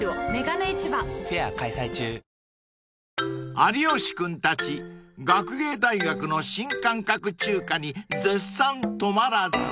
［有吉君たち学芸大学の新感覚中華に絶賛止まらず］